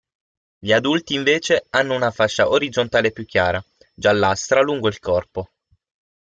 Gli adulti, invece, hanno una fascia orizzontale più chiara, giallastra, lungo il corpo.